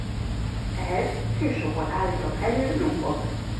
Ehhez kősóból állított elő lúgot.